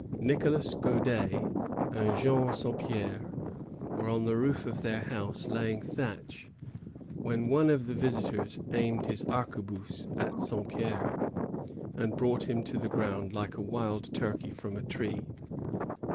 Nicolas God^ and Jean Saint P^re were on the roof of their house, laying thatch, when one of the visitors aimed his arquebuse at Saint Pdre, and brought him to the ground like a wild turkey from a tree.